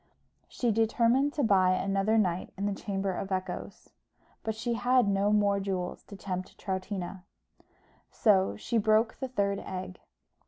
She determined to buy another night in the Chamber of Echoes; but she had no more jewels to tempt Troutina; so she broke the third egg.